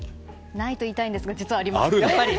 ないと言いたいんですが実はあります。